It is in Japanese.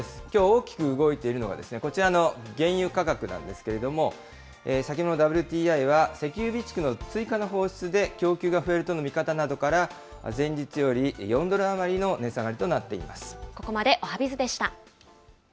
きょう、大きく動いているのが、こちらの原油価格なんですけれども、先物ＷＴＩは、石油備蓄の追加の放出で供給が増えるとの見方などから、前日より４ドル余りの値下がりとなっています。